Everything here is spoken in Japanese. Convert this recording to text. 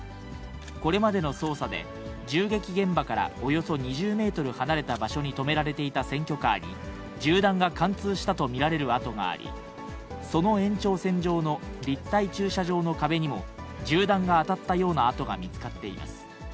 これまでの捜査で、銃撃現場からおよそ２０メートル離れた場所に止められていた選挙カーに、銃弾が貫通したと見られる痕があり、その延長線上の立体駐車場の壁にも、銃弾が当たったような痕が見つかっています。